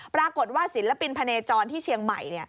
ปรากฏว่าศิลปินพะเนจรที่เชียงใหม่